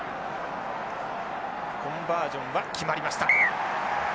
コンバージョンは決まりました。